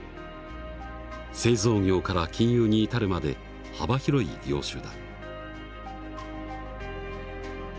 製造業から金融に至るまで幅広い業種だ。